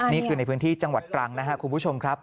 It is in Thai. นี่คือในพื้นที่จังหวัดตรังนะครับคุณผู้ชมครับ